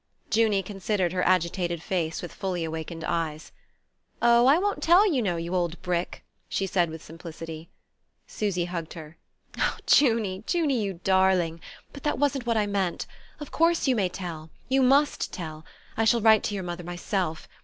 Junie considered her agitated face with fully awakened eyes. "Oh, I won't tell, you know, you old brick," she said with simplicity. Susy hugged her. "Junie, Junie, you darling! But that wasn't what I meant. Of course you may tell you must tell. I shall write to your mother myself.